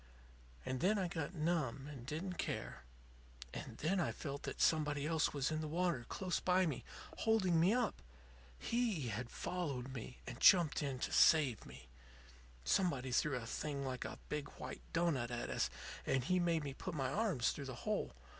And then I got numb, and didn't care. And then I felt that somebody else was in the water close by me, holding me up. He had followed me, and jumped in to save me. "Somebody threw a thing like a big, white doughnut at us, and he made me put my arms through the hole.